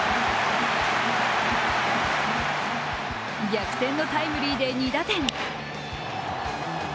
逆転のタイムリーで２打点。